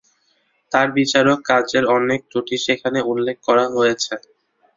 তার বিচারক কাজের অনেক ত্রুটি সেখানে উল্লেখ করা হয়েছে।